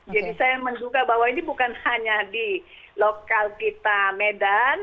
jadi saya menyukai bahwa ini bukan hanya di lokal kita medan